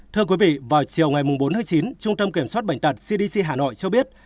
thưa quý vị vào chiều ngày bốn tháng chín trung tâm kiểm soát bệnh tật cdc hà nội cho biết